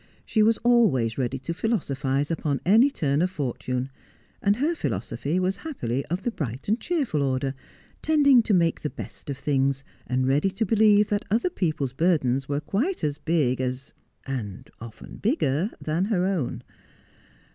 She was always ready to philosophize upon any turn of fortune, and her philosophy was happily of the bright and cheerful order, tending to make the best of things, and ready to believe that other people's burdens were quite as big as and often bigger than — her own.